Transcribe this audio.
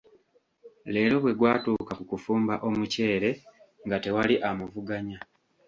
Leero bwe gwatuuka ku kufumba omuceere nga tewali amuvuganya.